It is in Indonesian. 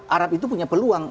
arab itu punya peluang